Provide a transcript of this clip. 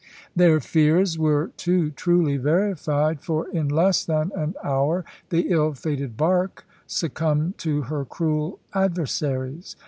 Their fears were too truly verified, for in less than an hour the ill fated bark succumbed to her cruel adversaries.